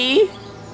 saya akan pergi